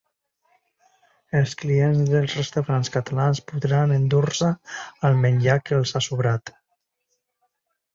Els clients dels restaurants catalans podran endur-se el menjar que els ha sobrat